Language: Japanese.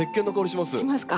しますか？